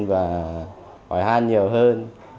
và hỏi hát nhiều hơn